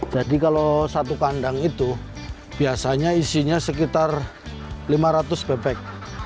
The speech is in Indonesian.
jadi kalau satu kandang itu biasanya isinya sekitar lima ratus bebek